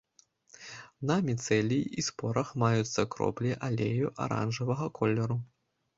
На міцэліі і спорах маюцца кроплі алею аранжавага колеру.